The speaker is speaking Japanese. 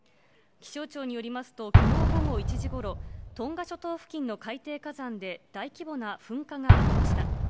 気象庁によりますと、きのう午後１時ごろ、トンガ諸島付近の海底火山で大規模な噴火がありました。